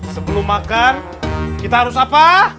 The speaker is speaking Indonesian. sebelum makan kita harus apa